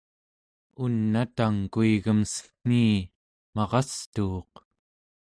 un'a tang kuigem cen̄ii marastuuq